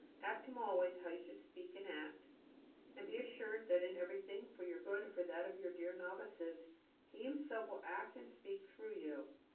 Ask Him always how you should speak and act, and be assured that in everything for your good and for that of your dear novices He Himself will act and speak through you.